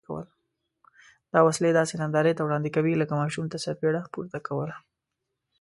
دا وسلې داسې نندارې ته وړاندې کوي لکه ماشوم ته څپېړه پورته کول.